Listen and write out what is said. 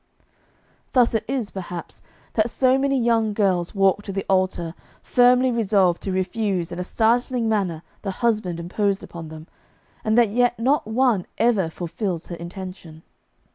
Thus it is, perhaps, that so many young girls walk to the altar firmly resolved to refuse in a startling manner the husband imposed upon them, and that yet not one ever fulfils her intention.